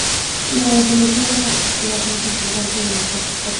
La resolución es la propiedad más importante de un microscopio.